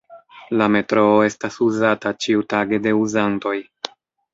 La metroo estas uzata ĉiutage de uzantoj.